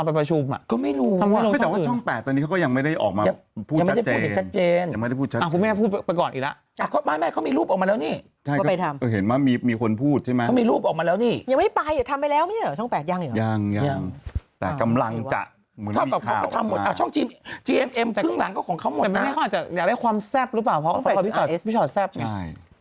เพิ่งหลังก็ของเขาหมดนะพี่ชอบอาจจะอยากได้ความแซ่บหรือเปล่าเพราะพี่ชอบแซ่บไง